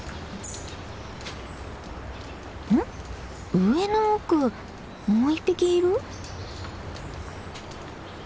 上の奥もう一匹いる？